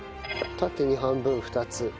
縦に半分２つ。